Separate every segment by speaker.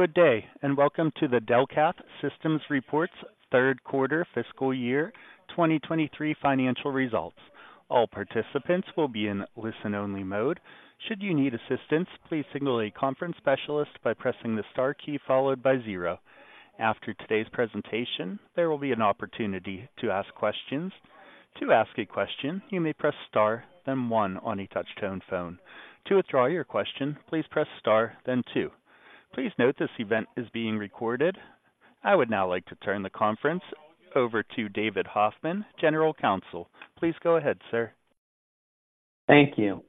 Speaker 1: Good day, and welcome to the Delcath Systems reports third quarter fiscal year 2023 financial results. All participants will be in listen-only mode. Should you need assistance, please signal a conference specialist by pressing the star key followed by zero. After today's presentation, there will be an opportunity to ask questions. To ask a question, you may press star, then one on a touch-tone phone. To withdraw your question, please press star, then two. Please note this event is being recorded. I would now like to turn the conference over to David Hoffman, General Counsel. Please go ahead, sir.
Speaker 2: Thank you.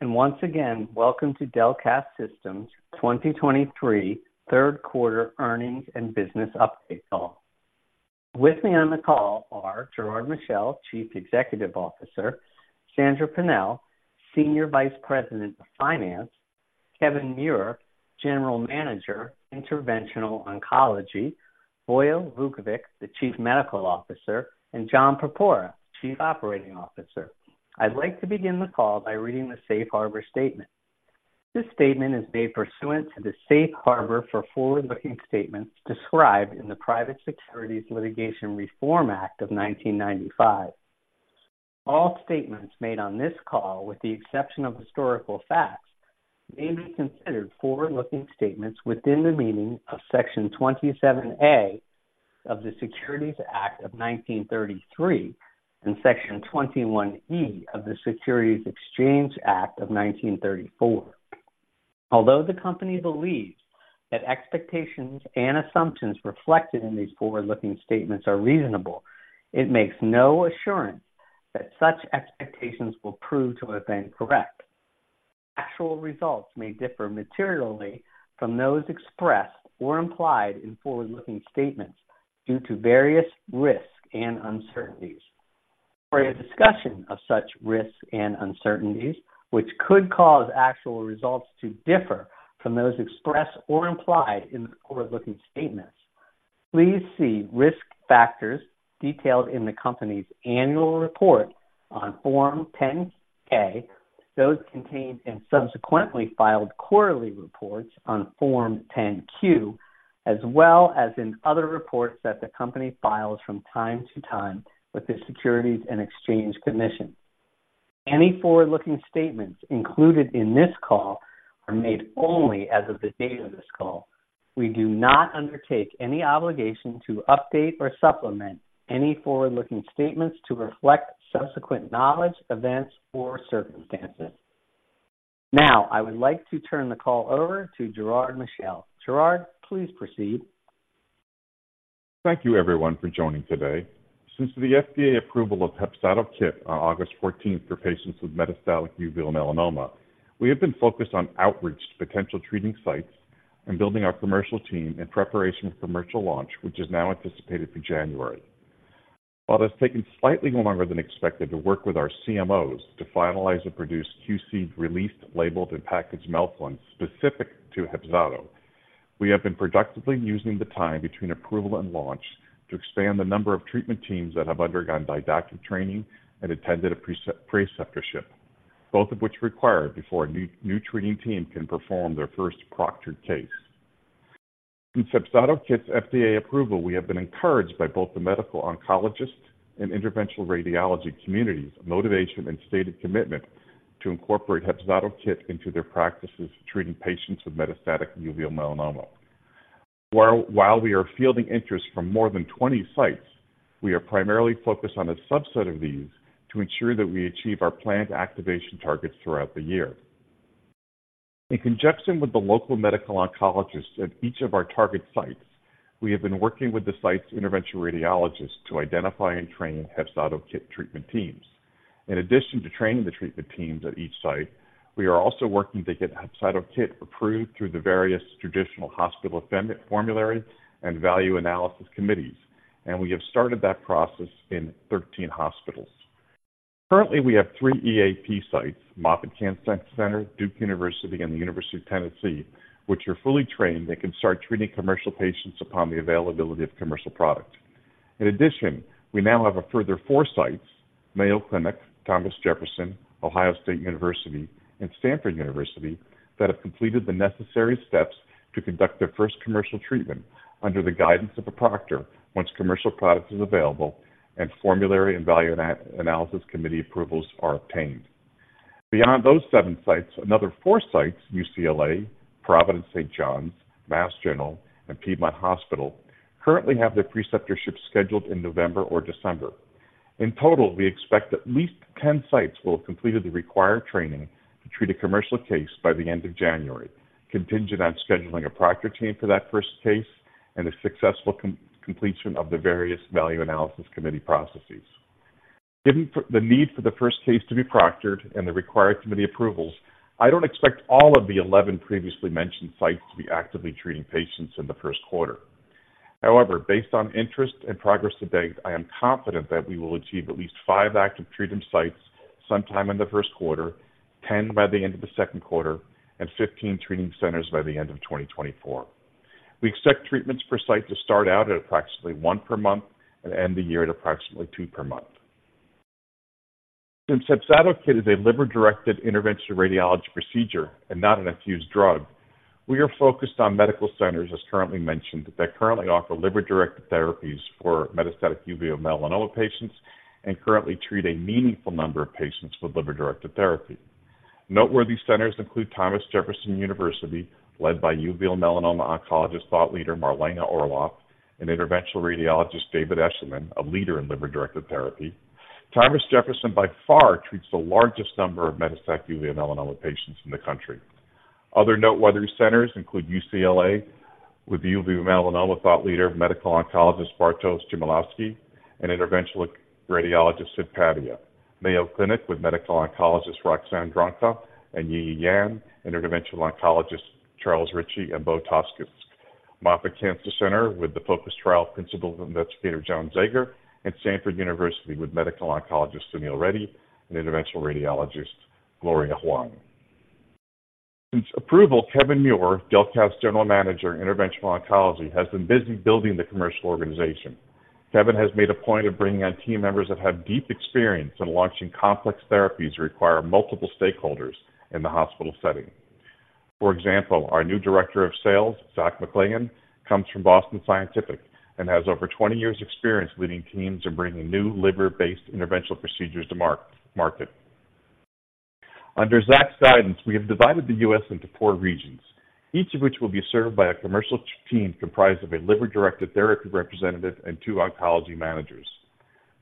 Speaker 2: And once again, welcome to Delcath Systems 2023 third quarter earnings and business update call. With me on the call are Gerard Michel, Chief Executive Officer, Sandra Pennell, Senior Vice President of Finance, Kevin Muir, General Manager, Interventional Oncology, Vojo Vukovic, the Chief Medical Officer, and John Purpura, Chief Operating Officer. I'd like to begin the call by reading the Safe Harbor statement. This statement is made pursuant to the Safe Harbor for forward-looking statements described in the Private Securities Litigation Reform Act of 1995. All statements made on this call, with the exception of historical facts, may be considered forward-looking statements within the meaning of Section 27A of the Securities Act of 1933 and Section 21E of the Securities Exchange Act of 1934. Although the company believes that expectations and assumptions reflected in these forward-looking statements are reasonable, it makes no assurance that such expectations will prove to have been correct. Actual results may differ materially from those expressed or implied in forward-looking statements due to various risks and uncertainties. For a discussion of such risks and uncertainties, which could cause actual results to differ from those expressed or implied in the forward-looking statements, please see risk factors detailed in the company's annual report on Form 10-K, those contained in subsequently filed quarterly reports on Form 10-Q, as well as in other reports that the company files from time to time with the Securities and Exchange Commission. Any forward-looking statements included in this call are made only as of the date of this call. We do not undertake any obligation to update or supplement any forward-looking statements to reflect subsequent knowledge, events, or circumstances. Now, I would like to turn the call over to Gerard Michel. Gerard, please proceed.
Speaker 3: Thank you, everyone, for joining today. Since the FDA approval of HEPZATO KIT on August 14 for patients with metastatic uveal melanoma, we have been focused on outreach to potential treating sites and building our commercial team in preparation for commercial launch, which is now anticipated for January. While it's taken slightly longer than expected to work with our CMOs to finalize and produce QC-released, labeled, and packaged melphalan specific to HEPZATO, we have been productively using the time between approval and launch to expand the number of treatment teams that have undergone didactic training and attended a preceptorship, both of which require before a new treating team can perform their first proctored case. In HEPZATO KIT's FDA approval, we have been encouraged by both the medical oncologist and interventional radiology communities, motivation and stated commitment to incorporate HEPZATO KIT into their practices treating patients with metastatic uveal melanoma. While we are fielding interest from more than 20 sites, we are primarily focused on a subset of these to ensure that we achieve our planned activation targets throughout the year. In conjunction with the local medical oncologists at each of our target sites, we have been working with the site's interventional radiologists to identify and train HEPZATO KIT treatment teams. In addition to training the treatment teams at each site, we are also working to get HEPZATO KIT approved through the various traditional hospital formularies and value analysis committees, and we have started that process in 13 hospitals. Currently, we have three EAP sites, Moffitt Cancer Center, Duke University, and the University of Tennessee, which are fully trained and can start treating commercial patients upon the availability of commercial product. In addition, we now have a further four sites, Mayo Clinic, Thomas Jefferson, Ohio State University, and Stanford University, that have completed the necessary steps to conduct their first commercial treatment under the guidance of a proctor, once commercial product is available and Formulary and Value Analysis Committee approvals are obtained. Beyond those seven sites, another four sites, UCLA, Providence Saint John's, Mass General, and Piedmont Hospital, currently have their preceptorship scheduled in November or December. In total, we expect at least 10 sites will have completed the required training to treat a commercial case by the end of January, contingent on scheduling a proctor team for that first case and a successful completion of the various value analysis committee processes. Given the need for the first case to be proctored and the required committee approvals, I don't expect all of the 11 previously mentioned sites to be actively treating patients in the first quarter. However, based on interest and progress to date, I am confident that we will achieve at least five active treatment sites sometime in the first quarter, 10 by the end of the second quarter, and 15 treating centers by the end of 2024. We expect treatments per site to start out at approximately one per month and end the year at approximately two per month. Since HEPZATO KIT is a liver-directed interventional radiology procedure and not an infused drug, we are focused on medical centers, as currently mentioned, that currently offer liver-directed therapies for metastatic uveal melanoma patients and currently treat a meaningful number of patients with liver-directed therapy. Noteworthy centers include Thomas Jefferson University, led by uveal melanoma oncologist thought leader Marlana Orloff, and interventional radiologist David Eschelman, a leader in liver-directed therapy. Thomas Jefferson, by far, treats the largest number of metastatic uveal melanoma patients in the country. Other noteworthy centers include UCLA, with uveal melanoma thought leader, medical oncologist Bartosz Chmielowski, and interventional radiologist Sid Padia. Mayo Clinic, with medical oncologist Roxana Dronca and Yiyi Yan, interventional oncologist Charles Ritchie, and Beau Toskich. Moffitt Cancer Center, with the FOCUS trial principal investigator, Jon Zager, and Stanford University, with medical oncologist Sunil Reddy and interventional radiologist, Gloria Hwang. Since approval, Kevin Muir, Delcath's general manager in interventional oncology, has been busy building the commercial organization. Kevin has made a point of bringing on team members that have deep experience in launching complex therapies that require multiple stakeholders in the hospital setting. For example, our new director of sales, Zach McLagan, comes from Boston Scientific and has over 20 years experience leading teams and bringing new liver-based interventional procedures to market. Under Zach's guidance, we have divided the U.S. into four regions, each of which will be served by a commercial team comprised of a liver-directed therapy representative and two oncology managers.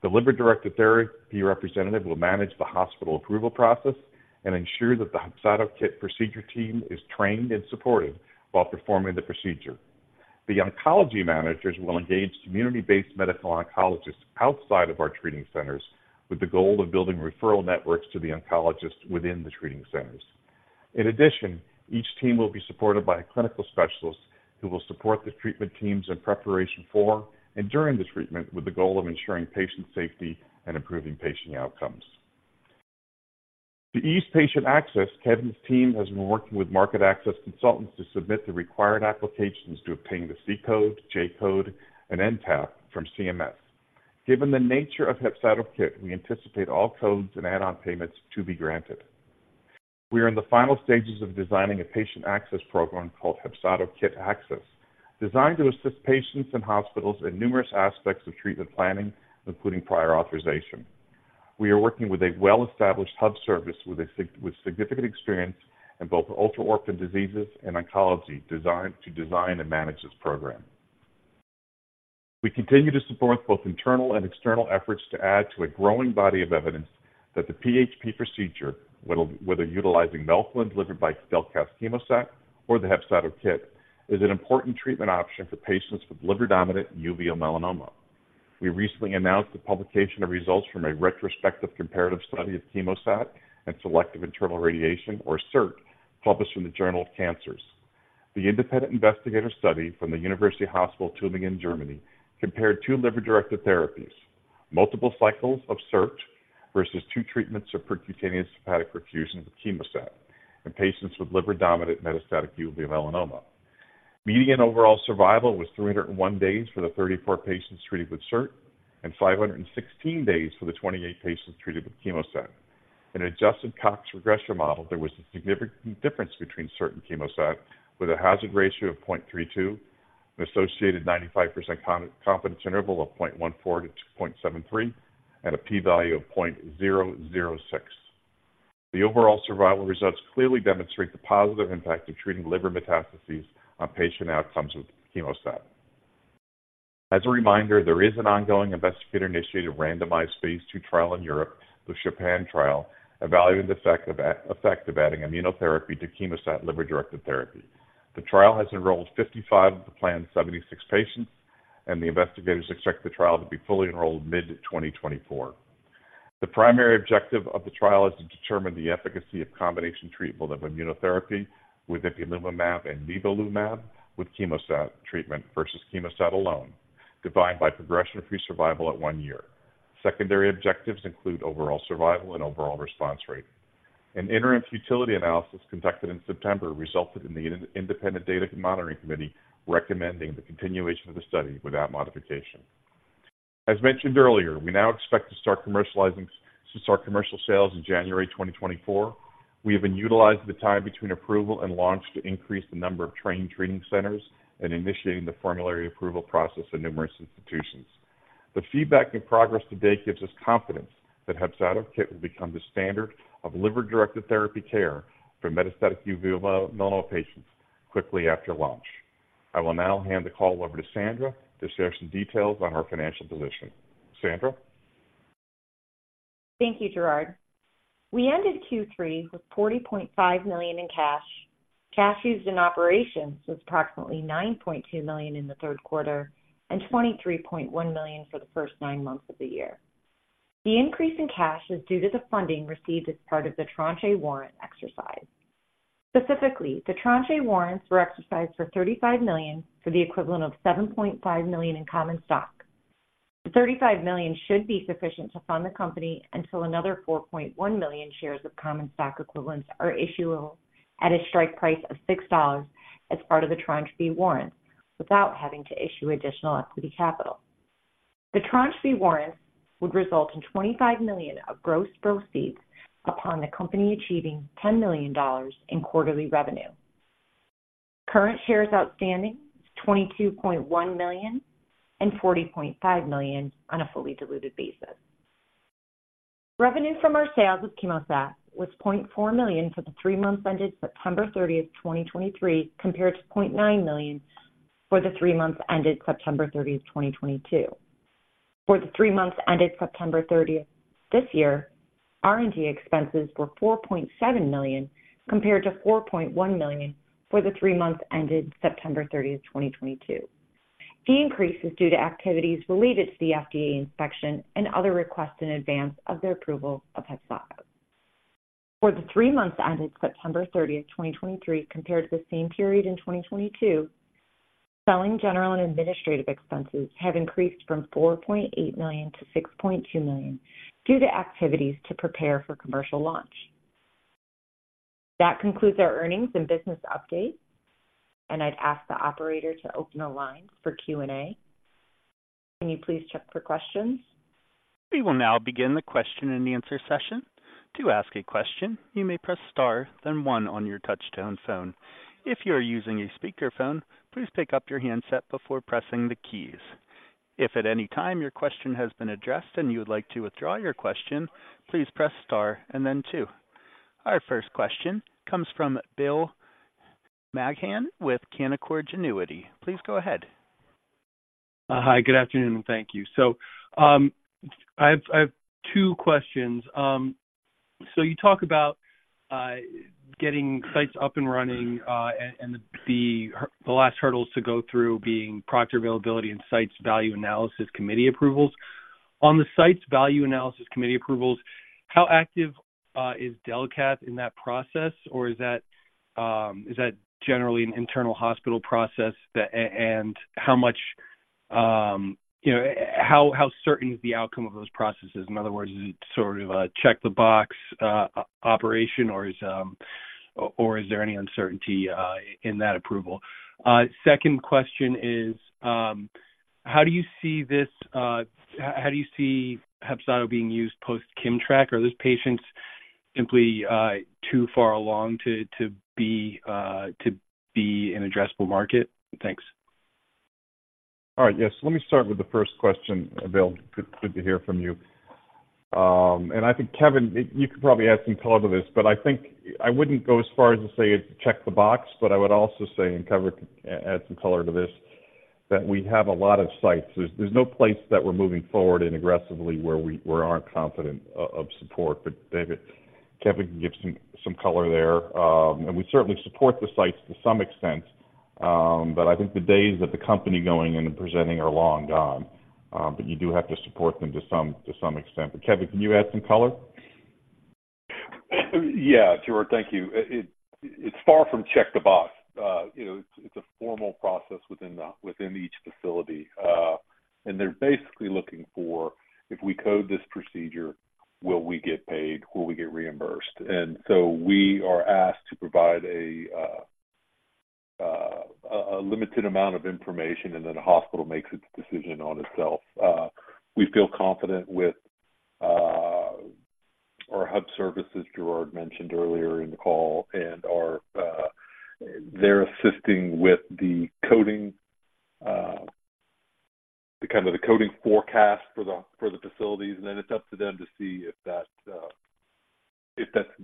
Speaker 3: The liver-directed therapy representative will manage the hospital approval process and ensure that the HEPZATO KIT procedure team is trained and supported while performing the procedure. The oncology managers will engage community-based medical oncologists outside of our treating centers, with the goal of building referral networks to the oncologists within the treating centers. In addition, each team will be supported by a clinical specialist, who will support the treatment teams in preparation for and during the treatment, with the goal of ensuring patient safety and improving patient outcomes. To ease patient access, Kevin's team has been working with market access consultants to submit the required applications to obtain the C code, J code, and NTAP from CMS. Given the nature of HEPZATO KIT, we anticipate all codes and add-on payments to be granted. We are in the final stages of designing a patient access program called HEPZATO KIT Access, designed to assist patients and hospitals in numerous aspects of treatment planning, including prior authorization. We are working with a well-established hub service with significant experience in both ultra-orphan diseases and oncology, designed to design and manage this program. We continue to support both internal and external efforts to add to a growing body of evidence that the PHP procedure, whether utilizing melphalan delivered by Delcath's CHEMOSAT or the HEPZATO KIT, is an important treatment option for patients with liver-dominant uveal melanoma. We recently announced the publication of results from a retrospective comparative study of CHEMOSAT and selective internal radiation, or SIRT, published in the Journal of Cancers. The independent investigator study from the University Hospital Tübingen, Germany, compared two liver-directed therapies: multiple cycles of SIRT versus two treatments of percutaneous hepatic perfusion with CHEMOSAT in patients with liver-dominant metastatic uveal melanoma. Median overall survival was 301 days for the 34 patients treated with SIRT, and 516 days for the 28 patients treated with CHEMOSAT. In an adjusted Cox regression model, there was a significant difference between SIRT and CHEMOSAT, with a hazard ratio of 0.32, an associated 95% confidence interval of 0.14-0.73, and a P value of 0.006. The overall survival results clearly demonstrate the positive impact of treating liver metastases on patient outcomes with CHEMOSAT. As a reminder, there is an ongoing investigator-initiated, randomized, phase II trial in Europe, the CHOPIN trial, evaluating the effect of adding immunotherapy to CHEMOSAT liver-directed therapy. The trial has enrolled 55 of the planned 76 patients, and the investigators expect the trial to be fully enrolled mid-2024. The primary objective of the trial is to determine the efficacy of combination treatment of immunotherapy with ipilimumab and nivolumab with CHEMOSAT treatment versus CHEMOSAT alone, defined by progression-free survival at one year. Secondary objectives include overall survival and overall response rate. An interim futility analysis conducted in September resulted in the Independent Data Monitoring Committee recommending the continuation of the study without modification. As mentioned earlier, we now expect to start commercial sales in January 2024. We have been utilizing the time between approval and launch to increase the number of trained treating centers and initiating the formulary approval process in numerous institutions. The feedback and progress to date gives us confidence that HEPZATO KIT will become the standard of liver-directed therapy care for metastatic uveal melanoma patients quickly after launch. I will now hand the call over to Sandra to share some details on our financial position. Sandra?
Speaker 4: Thank you, Gerard. We ended Q3 with $40.5 million in cash. Cash used in operations was approximately $9.2 million in the third quarter and $23.1 million for the first nine months of the year. The increase in cash is due to the funding received as part of the Tranche A warrant exercise. Specifically, the Tranche A warrants were exercised for $35 million, for the equivalent of 7.5 million in common stock. The $35 million should be sufficient to fund the company until another 4.1 million shares of common stock equivalents are issuable at a strike price of $6 as part of the Tranche B warrant... without having to issue additional equity capital. The Tranche B warrants would result in $25 million of gross proceeds upon the company achieving $10 million in quarterly revenue. Current shares outstanding is 22.1 million and 40.5 million on a fully diluted basis. Revenue from our sales of CHEMOSAT was $0.4 million for the three months ended September 30, 2023, compared to $0.9 million for the three months ended September 30, 2022. For the three months ended September 30 this year, R&D expenses were $4.7 million, compared to $4.1 million for the three months ended September 30, 2022. The increase is due to activities related to the FDA inspection and other requests in advance of the approval of HEPZATO. For the three months ended September 30, 2023, compared to the same period in 2022, selling general and administrative expenses have increased from $4.8 million to $6.2 million due to activities to prepare for commercial launch. That concludes our earnings and business update, and I'd ask the operator to open the line for Q&A. Can you please check for questions?
Speaker 1: We will now begin the question-and-answer session. To ask a question, you may press star, then one on your touch-tone phone. If you are using a speakerphone, please pick up your handset before pressing the keys. If at any time your question has been addressed and you would like to withdraw your question, please press star and then two. Our first question comes from Bill Maughan with Canaccord Genuity. Please go ahead.
Speaker 5: Hi, good afternoon, and thank you. So, I have two questions. So you talk about getting sites up and running, and the last hurdles to go through being product availability and site Value Analysis Committee approvals. On the site Value Analysis Committee approvals, how active is Delcath in that process? Or is that generally an internal hospital process? And how much, you know, how certain is the outcome of those processes? In other words, is it sort of a check-the-box operation, or is there any uncertainty in that approval? Second question is, how do you see this, how do you see HEPZATO being used post-KIMMTRAK? Are those patients simply too far along to be an addressable market? Thanks.
Speaker 3: All right. Yes. Let me start with the first question, Bill. Good to hear from you. And I think, Kevin, you can probably add some color to this, but I think I wouldn't go as far as to say it's check-the-box. But I would also say, and Kevin could add some color to this, that we have a lot of sites. There's no place that we're moving forward and aggressively where we aren't confident of support. But David... Kevin can give some color there. And we certainly support the sites to some extent, but I think the days of the company going and presenting are long gone. But you do have to support them to some extent. But, Kevin, can you add some color?
Speaker 6: Yeah, Gerard, thank you. It's far from check-the-box. You know, it's a formal process within each facility. And they're basically looking for, if we code this procedure, will we get paid? Will we get reimbursed? And so we are asked to provide a limited amount of information, and then the hospital makes its decision on itself. We feel confident with our hub services, Gerard mentioned earlier in the call, and they're assisting with the coding, the kind of the coding forecast for the facilities, and then it's up to them to see if that's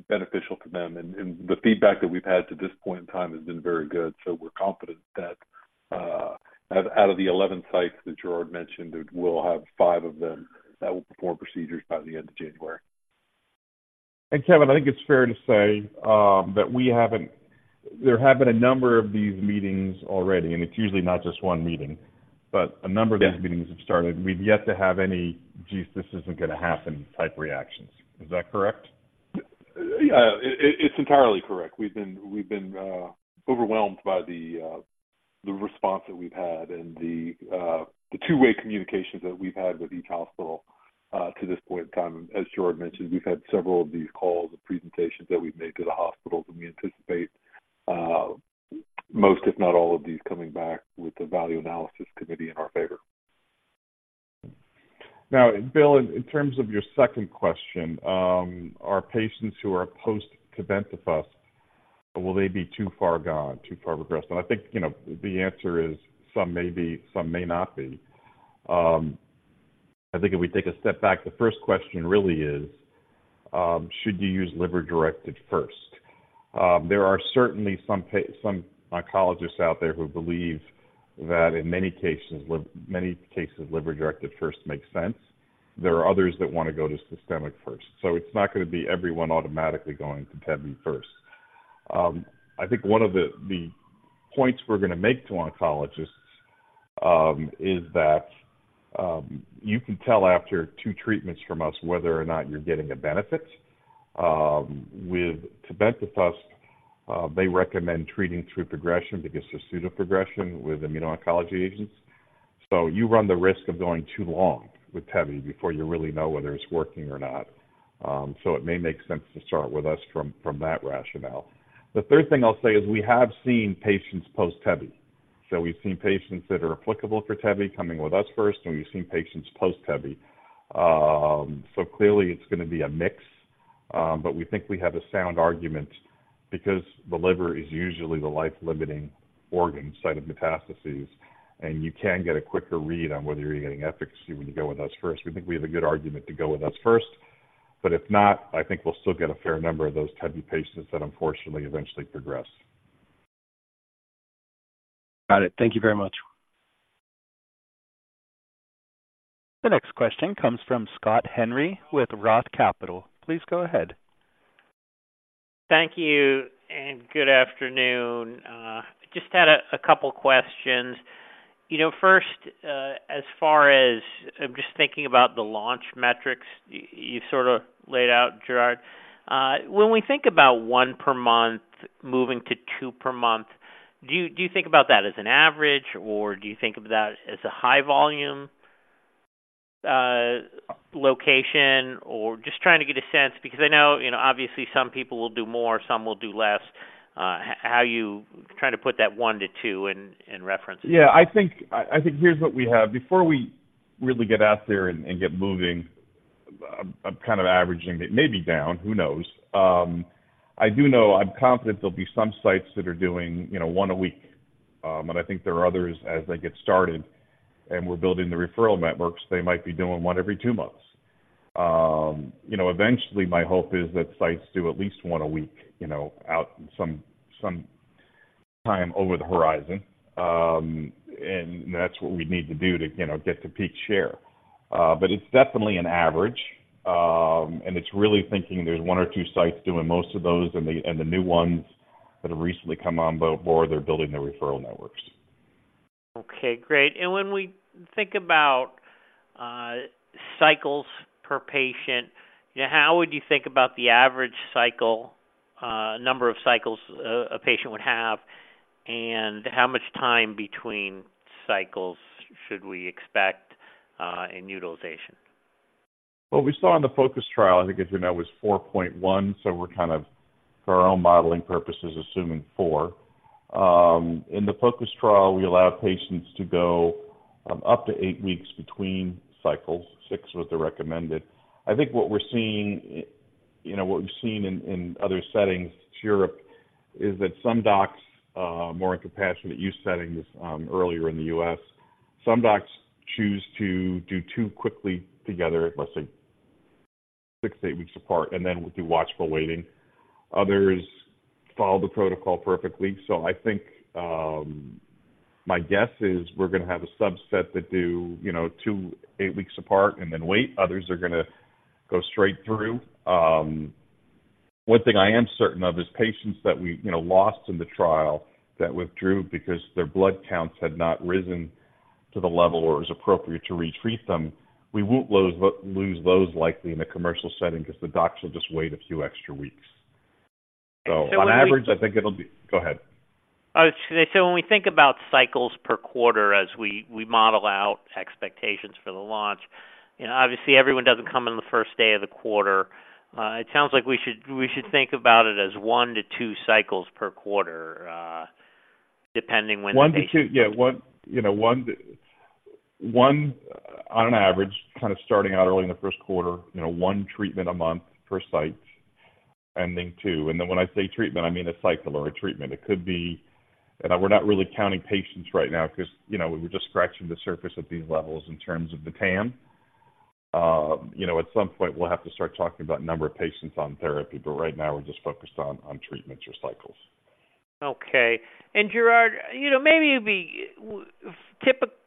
Speaker 6: beneficial to them. And the feedback that we've had to this point in time has been very good. We're confident that, out of the 11 sites that Gerard mentioned, that we'll have five of them that will perform procedures by the end of January.
Speaker 3: Kevin, I think it's fair to say that we haven't... There have been a number of these meetings already, and it's usually not just one meeting, but a number-
Speaker 6: Yeah...
Speaker 3: of these meetings have started, and we've yet to have any, "Geez, this isn't going to happen," type reactions. Is that correct?
Speaker 6: Yeah, it's entirely correct. We've been overwhelmed by the response that we've had and the two-way communications that we've had with each hospital to this point in time. As Gerard mentioned, we've had several of these calls and presentations that we've made to the hospitals, and we anticipate most, if not all of these, coming back with the value analysis committee in our favor.
Speaker 3: Now, Bill, in terms of your second question, are patients who are post-tebentafusp, will they be too far gone, too far progressed? And I think, you know, the answer is some may be, some may not be. I think if we take a step back, the first question really is, should you use liver-directed first? There are certainly some oncologists out there who believe that in many cases, many cases, liver-directed first makes sense. There are others that want to go to systemic first, so it's not going to be everyone automatically going to tebentafusp first. I think one of the points we're going to make to oncologists is that you can tell after two treatments from us whether or not you're getting a benefit. With tebentafusp, they recommend treating through progression because of pseudo progression with immuno-oncology agents. So you run the risk of going too long with tebentafusp before you really know whether it's working or not. So it may make sense to start with us from that rationale. The third thing I'll say is we have seen patients post-tebentafusp. So we've seen patients that are applicable for tebentafusp coming with us first, and we've seen patients post-tebentafusp. So clearly it's going to be a mix, but we think we have a sound argument because the liver is usually the life-limiting organ site of metastases, and you can get a quicker read on whether you're getting efficacy when you go with us first. We think we have a good argument to go with us first, but if not, I think we'll still get a fair number of those tebentafusp patients that unfortunately eventually progress.
Speaker 5: Got it. Thank you very much.
Speaker 1: The next question comes from Scott Henry with Roth Capital. Please go ahead.
Speaker 7: Thank you, and good afternoon. Just had a couple questions. You know, first, as far as I'm just thinking about the launch metrics you sort of laid out, Gerard. When we think about one per month moving to two per month, do you think about that as an average, or do you think about as a high volume location? Or just trying to get a sense, because I know, you know, obviously some people will do more, some will do less, how you try to put that one to two in reference?
Speaker 3: Yeah, I think here's what we have. Before we really get out there and get moving, I'm kind of averaging it maybe down, who knows? I do know I'm confident there'll be some sites that are doing, you know, one a week. But I think there are others as they get started, and we're building the referral networks, they might be doing one every two months. You know, eventually, my hope is that sites do at least one a week, you know, out some time over the horizon. And that's what we need to do to, you know, get to peak share. But it's definitely an average, and it's really thinking there's one or two sites doing most of those and the new ones that have recently come on board, they're building their referral networks.
Speaker 7: Okay, great. And when we think about cycles per patient, how would you think about the average cycle, number of cycles a patient would have, and how much time between cycles should we expect in utilization?
Speaker 3: Well, we saw in the FOCUS trial, I think, as you know, it was 4.1, so we're kind of, for our own modeling purposes, assuming four. In the FOCUS trial, we allowed patients to go up to eight weeks between cycles. Six was the recommended. I think what we're seeing, you know, what we've seen in other settings, Europe, is that some docs, more in compassionate use settings, earlier in the U.S., some docs choose to do two quickly together, let's say six to eight weeks apart, and then do watchful waiting. Others follow the protocol perfectly. So I think, my guess is we're gonna have a subset that do, you know, two, eight weeks apart and then wait. Others are gonna go straight through. One thing I am certain of is patients that we, you know, lost in the trial, that withdrew because their blood counts had not risen to the level or was appropriate to retreat them. We won't lose those likely in a commercial setting because the docs will just wait a few extra weeks.
Speaker 7: So when we-
Speaker 3: So on average, I think it'll be... Go ahead.
Speaker 7: I was gonna say, so when we think about cycles per quarter as we model out expectations for the launch, you know, obviously everyone doesn't come in the first day of the quarter. It sounds like we should think about it as one to two cycles per quarter, depending when the-
Speaker 3: One to two, yeah, one, you know, one, one on an average, kind of starting out early in the first quarter, you know, one treatment a month per site, ending two. And then when I say treatment, I mean a cycle or a treatment. It could be, and we're not really counting patients right now because, you know, we're just scratching the surface at these levels in terms of the TAM. You know, at some point, we'll have to start talking about number of patients on therapy, but right now we're just focused on treatments or cycles.
Speaker 7: Okay. And Gerard, you know, maybe it'd be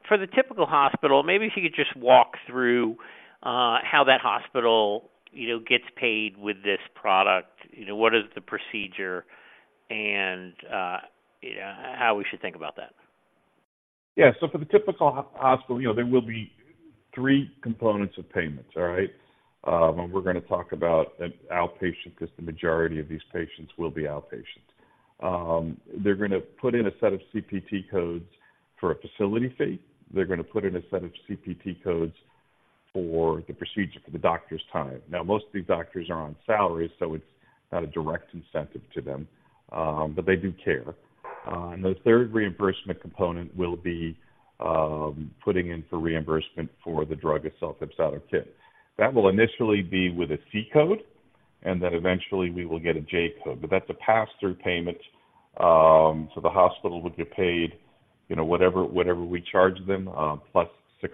Speaker 7: for the typical hospital, maybe if you could just walk through how that hospital, you know, gets paid with this product, you know, what is the procedure, and how we should think about that?
Speaker 3: Yeah. So for the typical hospital, you know, there will be three components of payments. All right? We're gonna talk about an outpatient because the majority of these patients will be outpatients. They're gonna put in a set of CPT codes for a facility fee. They're gonna put in a set of CPT codes for the procedure for the doctor's time. Now, most of these doctors are on salary, so it's not a direct incentive to them, but they do care. And the third reimbursement component will be, putting in for reimbursement for the drug itself, HEPZATO KIT. That will initially be with a C code, and then eventually we will get a J code, but that's a pass-through payment, so the hospital would get paid, you know, whatever, whatever we charge them, plus 6%.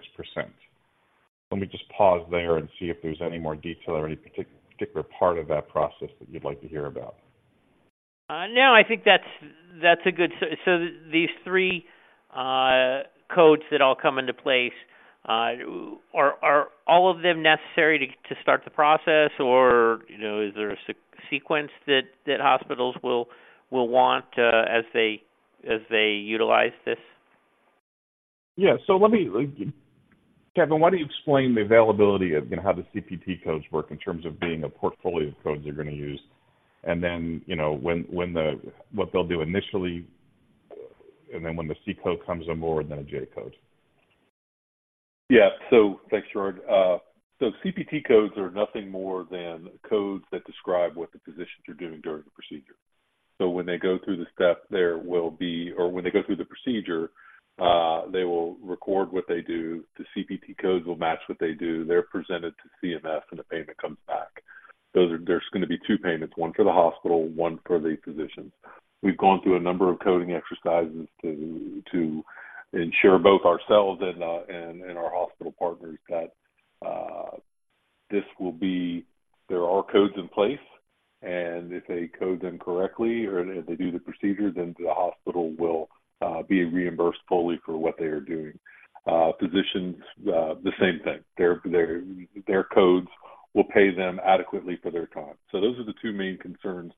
Speaker 3: Let me just pause there and see if there's any more detail or any particular part of that process that you'd like to hear about.
Speaker 7: No, I think that's a good... So these three codes that all come into place, are all of them necessary to start the process? Or, you know, is there a sequence that hospitals will want as they utilize this?
Speaker 3: Yeah. So let me, Kevin, why don't you explain the availability of, you know, how the CPT codes work in terms of being a portfolio of codes you're going to use, and then, you know, when, when the—what they'll do initially, and then when the C code comes on board, then the J codes?
Speaker 6: Yeah. So thanks, Gerard. So CPT codes are nothing more than codes that describe what the physicians are doing during the procedure. So when they go through the step, there will be... Or when they go through the procedure, they will record what they do. The CPT codes will match what they do. They're presented to CMS, and the payment comes back. So there, there's going to be two payments, one for the hospital, one for the physicians. We've gone through a number of coding exercises to ensure both ourselves and our hospital partners that this will be—there are codes in place, and if they code them correctly or if they do the procedure, then the hospital will be reimbursed fully for what they are doing. Physicians, the same thing. Their codes will pay them adequately for their time. So those are the two main concerns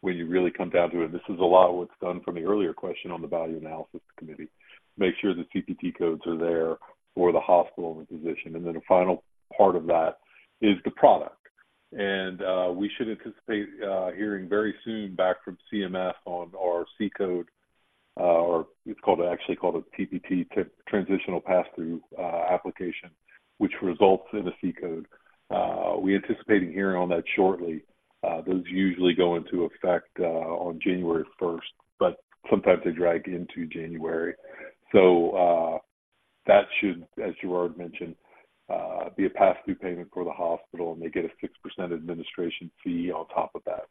Speaker 6: when you really come down to it. This is a lot of what's done from the earlier question on the Value Analysis Committee. Make sure the CPT codes are there for the hospital and the physician. And then the final part of that is the product. And we should anticipate hearing very soon back from CMS on our C code, or it's called, actually called a TPT, Transitional Pass-Through, application, which results in a C code. We're anticipating hearing on that shortly. Those usually go into effect on January first, but sometimes they drag into January. So that should, as Gerard mentioned, be a pass-through payment for the hospital, and they get a 6% administration fee on top of that.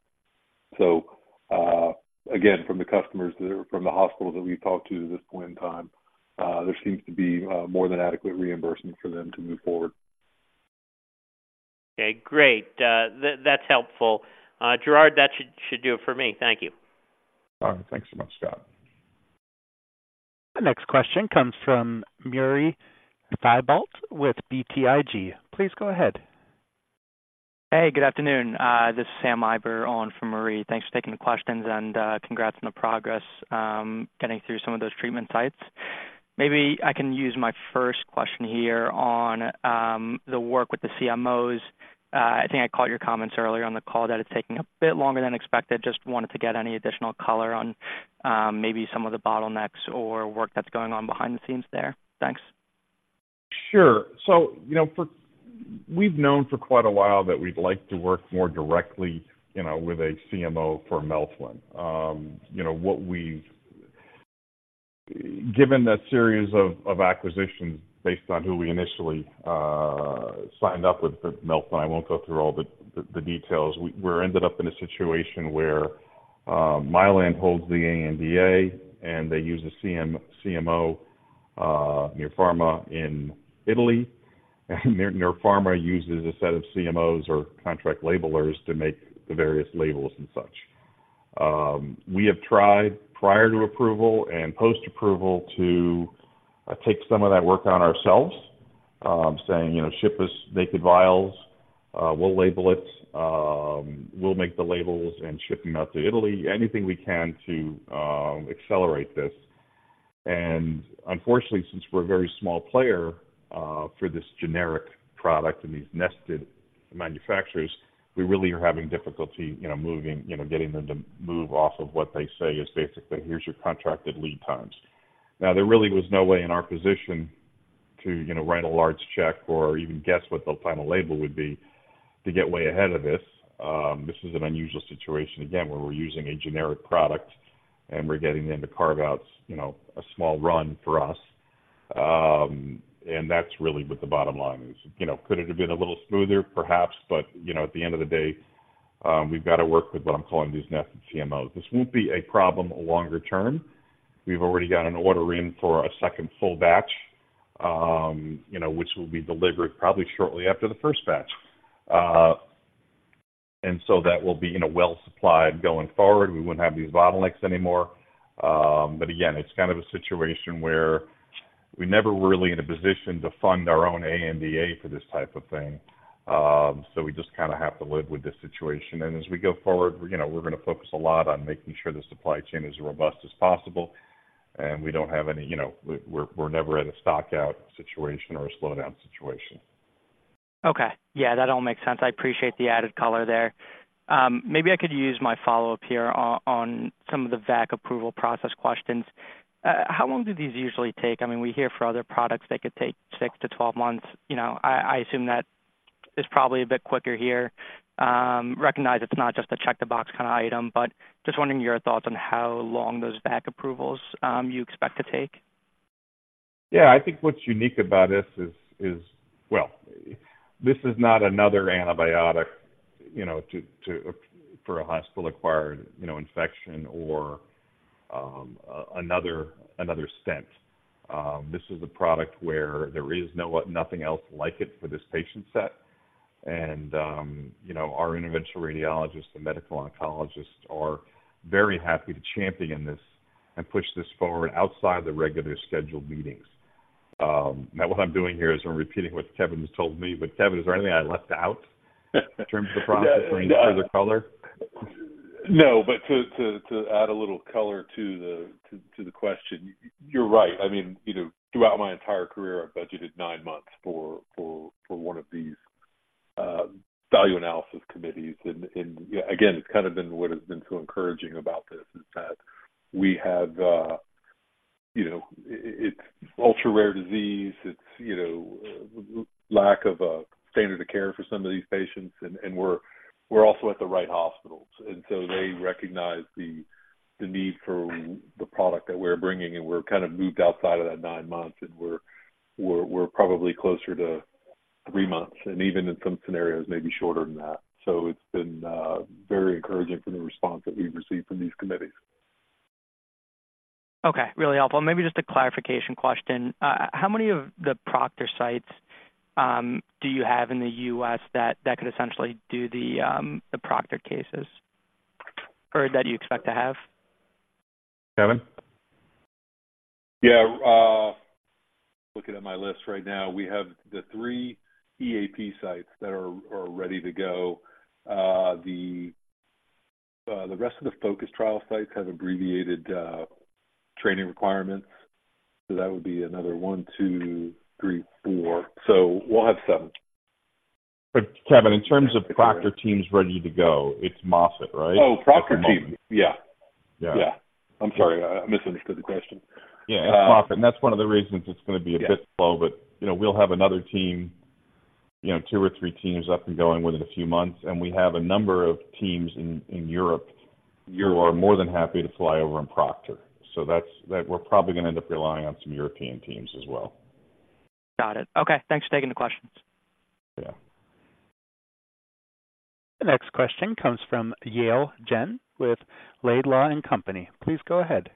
Speaker 6: Again, from the customers, from the hospitals that we've talked to at this point in time, there seems to be more than adequate reimbursement for them to move forward.
Speaker 7: Okay, great. That's helpful. Gerard, that should do it for me. Thank you.
Speaker 3: All right. Thanks so much, Scott.
Speaker 1: The next question comes from Marie Thibault with BTIG. Please go ahead.
Speaker 8: Hey, good afternoon. This is Sam Eiber on for Marie. Thanks for taking the questions, and congrats on the progress getting through some of those treatment sites. Maybe I can use my first question here on the work with the CMOs. I think I caught your comments earlier on the call that it's taking a bit longer than expected. Just wanted to get any additional color on maybe some of the bottlenecks or work that's going on behind the scenes there. Thanks.
Speaker 3: Sure. So, you know, we've known for quite a while that we'd like to work more directly, you know, with a CMO for melphalan. You know, given that series of acquisitions, based on who we initially signed up with for melphalan, I won't go through all the details. We're ended up in a situation where Mylan holds the ANDA, and they use a CMO, NerPharMa in Italy, and NerPharMa uses a set of CMOs or contract labelers to make the various labels and such. We have tried prior to approval and post-approval to take some of that work on ourselves, saying, "You know, ship us naked vials, we'll label it, we'll make the labels and ship them out to Italy," anything we can to accelerate this. Unfortunately, since we're a very small player for this generic product and these nested manufacturers, we really are having difficulty, you know, moving, you know, getting them to move off of what they say is basically: Here's your contracted lead times. Now, there really was no way in our position to, you know, write a large check or even guess what the final label would be to get way ahead of this. This is an unusual situation, again, where we're using a generic product, and we're getting them to carve out, you know, a small run for us. And that's really what the bottom line is. You know, could it have been a little smoother? Perhaps, but, you know, at the end of the day, we've got to work with what I'm calling these nested CMOs. This won't be a problem longer term. We've already got an order in for a second full batch, you know, which will be delivered probably shortly after the first batch. And so that will be, you know, well supplied going forward. We wouldn't have these bottlenecks anymore. But again, it's kind of a situation where we're never really in a position to fund our own ANDA for this type of thing. So we just kind of have to live with this situation. And as we go forward, you know, we're going to focus a lot on making sure the supply chain is as robust as possible, and we don't have any you know, we're never at a stock out situation or a slowdown situation.
Speaker 8: Okay. Yeah, that all makes sense. I appreciate the added color there. Maybe I could use my follow-up here on some of the VAC approval process questions. How long do these usually take? I mean, we hear for other products, they could take six to 12 months. You know, I assume that it's probably a bit quicker here. Recognize it's not just a check-the-box kind of item, but just wondering your thoughts on how long those VAC approvals you expect to take.
Speaker 3: Yeah, I think what's unique about this is... Well, this is not another antibiotic, you know, to for a hospital-acquired, you know, infection or another stent. This is a product where there is nothing else like it for this patient set. And you know, our interventional radiologists and medical oncologists are very happy to champion this and push this forward outside the regular scheduled meetings. Now, what I'm doing here is I'm repeating what Kevin has told me, but Kevin, is there anything I left out—in terms of the process or any further color?...
Speaker 6: No, but to add a little color to the question, you're right. I mean, you know, throughout my entire career, I've budgeted nine months for one of these Value Analysis Committees. And again, it's kind of been what has been so encouraging about this, is that we have, you know, it's ultra-rare disease. It's, you know, lack of a standard of care for some of these patients, and we're also at the right hospitals. And so they recognize the need for the product that we're bringing, and we're kind of moved outside of that nine months, and we're probably closer to three months, and even in some scenarios, maybe shorter than that. So it's been very encouraging from the response that we've received from these committees.
Speaker 8: Okay, really helpful. Maybe just a clarification question. How many of the proctor sites do you have in the U.S. that could essentially do the proctor cases, or that you expect to have?
Speaker 3: Kevin?
Speaker 6: Yeah, looking at my list right now, we have the three EAP sites that are ready to go. The rest of the FOCUS trial sites have abbreviated training requirements, so that would be another one, two, three, four. So we'll have seven.
Speaker 3: Kevin, in terms of proctor teams ready to go, it's Moffitt, right?
Speaker 6: Oh, proctor team. Yeah.
Speaker 3: Yeah.
Speaker 6: Yeah. I'm sorry, I misunderstood the question.
Speaker 3: Yeah, it's Moffitt, and that's one of the reasons it's going to be a bit slow.
Speaker 6: Yeah.
Speaker 3: But, you know, we'll have another team, you know, two or three teams up and going within a few months, and we have a number of teams in Europe who are more than happy to fly over and proctor. So that's. We're probably going to end up relying on some European teams as well.
Speaker 8: Got it. Okay, thanks for taking the questions.
Speaker 3: Yeah.
Speaker 1: The next question comes from Yale Jen with Laidlaw & Company. Please go ahead.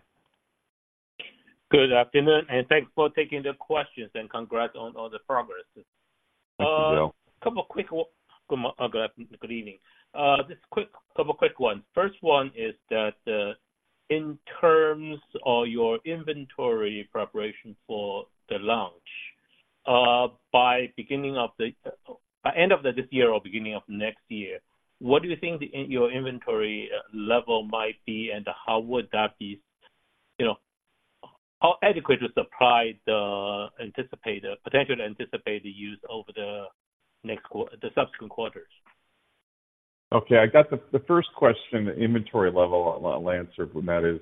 Speaker 9: Good afternoon, and thanks for taking the questions, and congrats on all the progress.
Speaker 3: Thank you, Yale.
Speaker 9: Good evening. Just quick, couple quick ones. First one is that, in terms of your inventory preparation for the launch, by end of this year or beginning of next year, what do you think your inventory level might be, and how would that be, you know, how adequate to supply the anticipated, potential anticipated use over the subsequent quarters?
Speaker 3: Okay, I got the first question, the inventory level, I'll answer, and that is,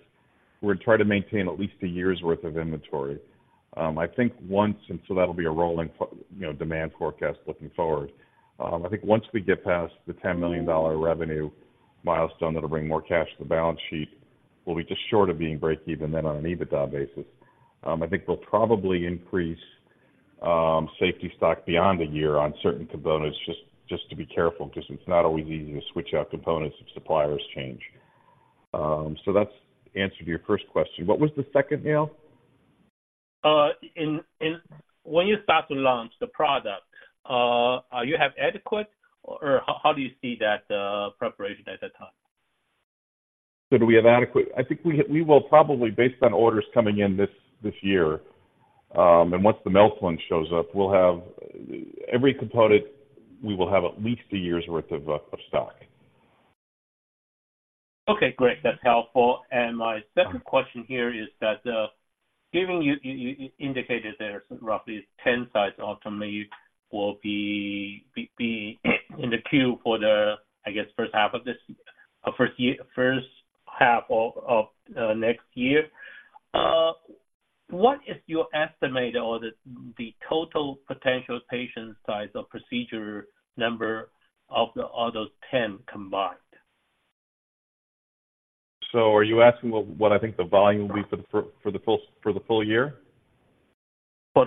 Speaker 3: we're trying to maintain at least a year's worth of inventory. I think once, and so that'll be a rolling, you know, demand forecast looking forward. I think once we get past the $10 million revenue milestone, that'll bring more cash to the balance sheet. We'll be just short of being break even then on an EBITDA basis. I think we'll probably increase safety stock beyond a year on certain components, just to be careful, because it's not always easy to switch out components if suppliers change. So that's the answer to your first question. What was the second, Yale?
Speaker 9: When you start to launch the product, you have adequate, or how do you see that preparation at that time?
Speaker 3: So, do we have adequate? I think we will probably, based on orders coming in this year, and once the melphalan shows up, we'll have every component. We will have at least a year's worth of stock.
Speaker 9: Okay, great. That's helpful. And my second question here is that, given you indicated there's roughly 10 sites ultimately will be in the queue for the, I guess, first half of next year. What is your estimate or the total potential patient size or procedure number of all those 10 combined?
Speaker 3: So are you asking what I think the volume will be for the full year?
Speaker 9: For the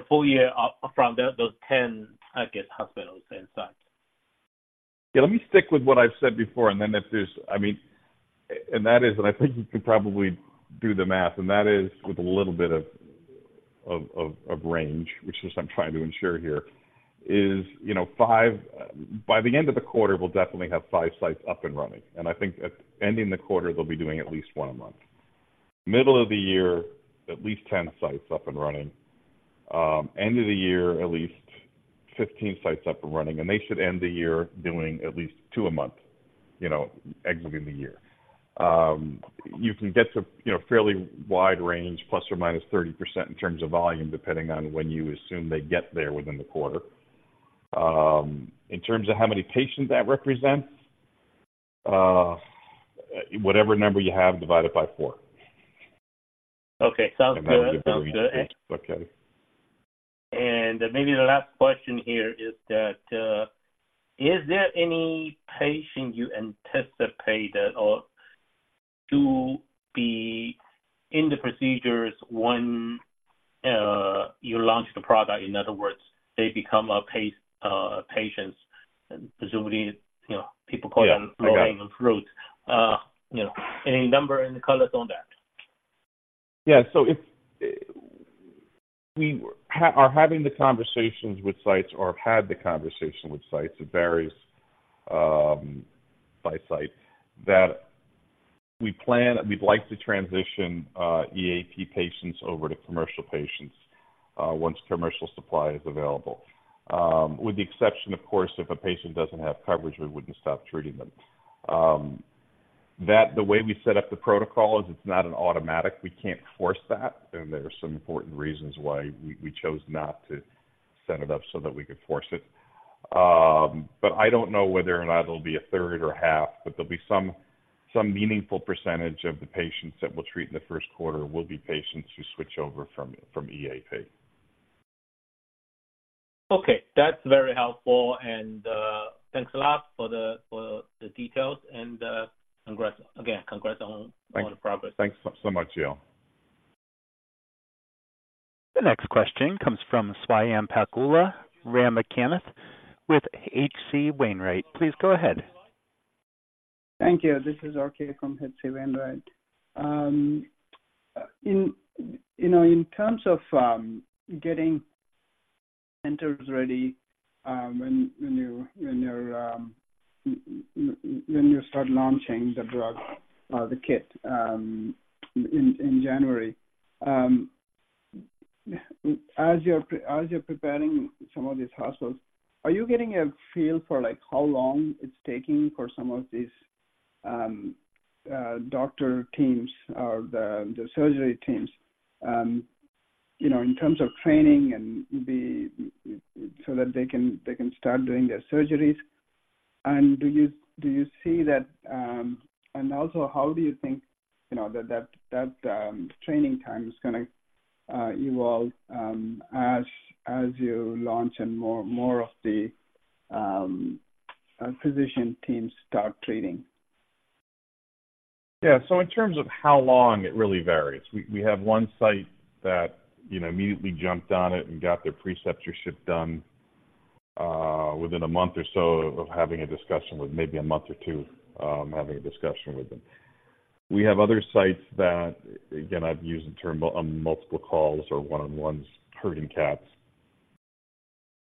Speaker 9: full year, from those 10 target hospitals and sites.
Speaker 3: Yeah, let me stick with what I've said before, and then if there's, I mean. And that is, and I think you can probably do the math, and that is, with a little bit of range, which is I'm trying to ensure here, is, you know, five. By the end of the quarter, we'll definitely have five sites up and running, and I think at ending the quarter, they'll be doing at least one a month. Middle of the year, at least 10 sites up and running. End of the year, at least 15 sites up and running, and they should end the year doing at least two a month, you know, exiting the year. You can get to, you know, fairly wide range, ±30% in terms of volume, depending on when you assume they get there within the quarter. In terms of how many patients that represents, whatever number you have divided by four.
Speaker 9: Okay, sounds good.
Speaker 3: Okay.
Speaker 9: Maybe the last question here is that, is there any patient you anticipated or to be in the procedures when, you launch the product? In other words, they become patients, presumably, you know, people call them-
Speaker 3: Yeah.
Speaker 9: -growing fruit. You know, any number and the colors on that?
Speaker 3: Yeah. So if we are having the conversations with sites or have had the conversation with sites, it varies by site, that we plan, we'd like to transition EAP patients over to commercial patients once commercial supply is available. With the exception, of course, if a patient doesn't have coverage, we wouldn't stop treating them. That, the way we set up the protocol is it's not an automatic, we can't force that, and there are some important reasons why we chose not to set it up so that we could force it. But I don't know whether or not it'll be a third or half, but there'll be some meaningful percentage of the patients that we'll treat in the first quarter will be patients who switch over from EAP.
Speaker 9: Okay, that's very helpful. And, thanks a lot for the details and, congrats again. Congrats on all the progress.
Speaker 3: Thanks so much, Yale.
Speaker 1: The next question comes from Swayampakula Ramakanth with H.C. Wainwright. Please go ahead.
Speaker 10: Thank you. This is RK from H.C. Wainwright. You know, in terms of getting centers ready, when you start launching the drug, the kit, in January. As you're preparing some of these hospitals, are you getting a feel for, like, how long it's taking for some of these doctor teams or the surgery teams, you know, in terms of training and so that they can start doing their surgeries? And do you see that, and also, how do you think, you know, that training time is gonna evolve, as you launch and more of the physician teams start treating?
Speaker 3: Yeah. So in terms of how long, it really varies. We, we have one site that, you know, immediately jumped on it and got their preceptorship done, within a month or so of having a discussion with maybe a month or two, having a discussion with them. We have other sites that, again, I've used the term on multiple calls or one-on-ones, herding cats,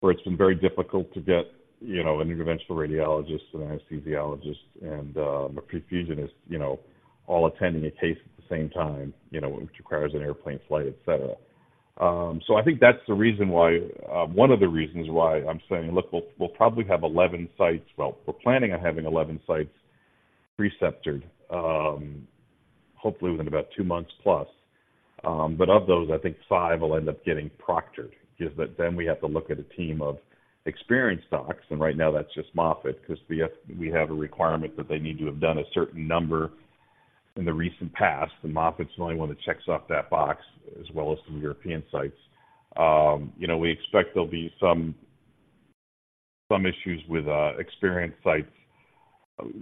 Speaker 3: where it's been very difficult to get, you know, an interventional radiologist, an anesthesiologist, and, a perfusionist, you know, all attending a case at the same time, you know, which requires an airplane flight, et cetera. So I think that's the reason why, one of the reasons why I'm saying, look, we'll, we'll probably have 11 sites. Well, we're planning on having 11 sites preceptored, hopefully within about two months plus. But of those, I think five will end up getting proctored because then we have to look at a team of experienced docs, and right now that's just Moffitt, 'cause we have, we have a requirement that they need to have done a certain number in the recent past, and Moffitt's the only one that checks off that box, as well as some European sites. You know, we expect there'll be some, some issues with experienced sites,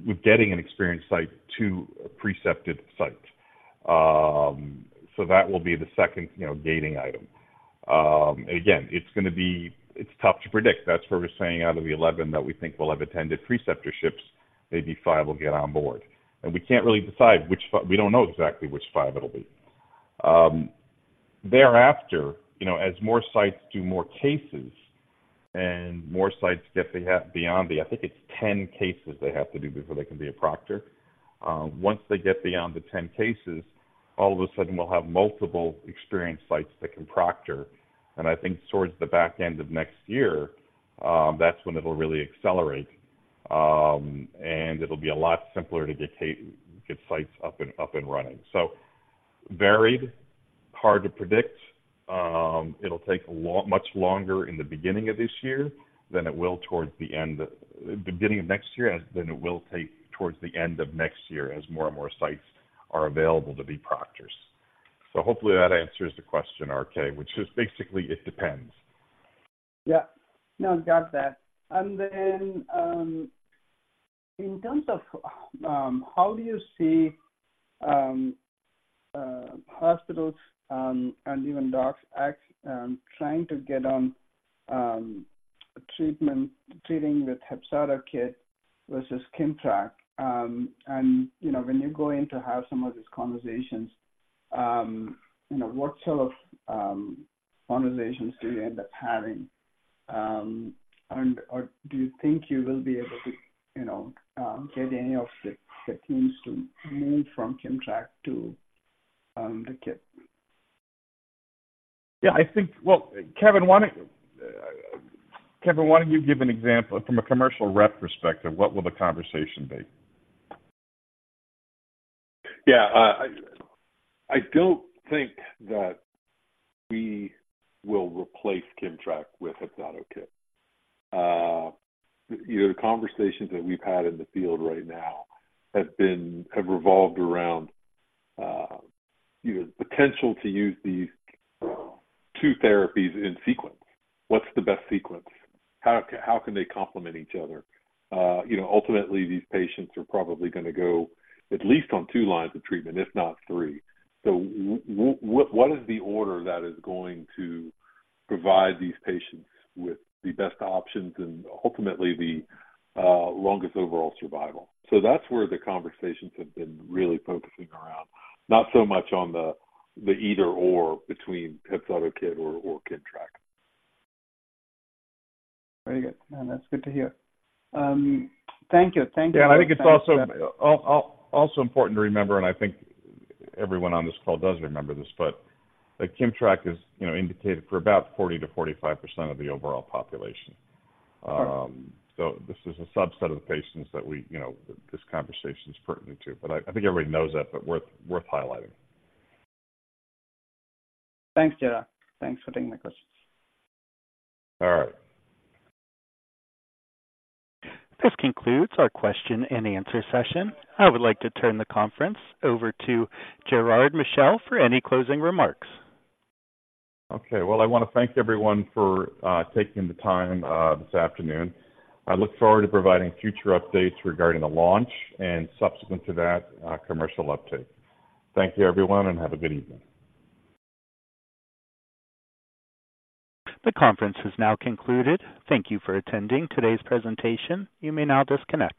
Speaker 3: with getting an experienced site to a precepted sites. So that will be the second, you know, gating item. Again, it's gonna be... it's tough to predict. That's where we're saying out of the 11 that we think will have attended preceptorships, maybe five will get on board. And we can't really decide which five. We don't know exactly which five it'll be. Thereafter, you know, as more sites do more cases and more sites get beyond the, I think it's 10 cases they have to do before they can be a proctor. Once they get beyond the 10 cases, all of a sudden, we'll have multiple experienced sites that can proctor. And I think towards the back end of next year, that's when it'll really accelerate, and it'll be a lot simpler to get sites up and running. So varied, hard to predict. It'll take much longer in the beginning of this year than it will towards the end, beginning of next year, as than it will take towards the end of next year, as more and more sites are available to be proctors. So hopefully that answers the question, RK, which is basically it depends.
Speaker 10: Yeah. No, got that. And then, in terms of how do you see hospitals and even docs act trying to get on treatment treating with HEPZATO KIT versus KIMMTRAK. And, you know, when you go in to have some of these conversations, you know, what sort of conversations do you end up having? And, or do you think you will be able to, you know, get any of the teams to move from KIMMTRAK to the kit?
Speaker 3: Yeah, I think... Well, Kevin, why don't, Kevin, why don't you give an example? From a commercial rep perspective, what will the conversation be?
Speaker 6: Yeah, I don't think that we will replace KIMMTRAK with HEPZATO KIT. You know, the conversations that we've had in the field right now have revolved around, you know, potential to use these two therapies in sequence. What's the best sequence? How can they complement each other? You know, ultimately, these patients are probably gonna go at least on twp lines of treatment, if not three. So what is the order that is going to provide these patients with the best options and ultimately the longest overall survival? So that's where the conversations have been really focusing around. Not so much on the either/or between HEPZATO KIT or KIMMTRAK.
Speaker 10: Very good. That's good to hear. Thank you. Thank you.
Speaker 3: Yeah, I think it's also also important to remember, and I think everyone on this call does remember this, but that KIMMTRAK is, you know, indicated for about 40%-45% of the overall population. So this is a subset of the patients that we, you know, this conversation is pertinent to, but I think everybody knows that, but worth highlighting.
Speaker 10: Thanks, Gerard. Thanks for taking my questions.
Speaker 3: All right.
Speaker 1: This concludes our question and answer session. I would like to turn the conference over to Gerard Michel for any closing remarks.
Speaker 3: Okay. Well, I want to thank everyone for taking the time this afternoon. I look forward to providing future updates regarding the launch and subsequent to that, commercial uptake. Thank you, everyone, and have a good evening.
Speaker 1: The conference is now concluded. Thank you for attending today's presentation. You may now disconnect.